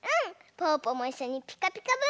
ぽぅぽもいっしょに「ピカピカブ！」